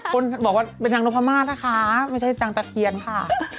คนบอกว่าเป็นนางนกพม่านะคะไม่ใช่นางตะเคียนค่ะ